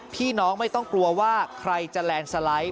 พี่น้องไม่ต้องกลัวว่าใครจะแลนด์สไลด์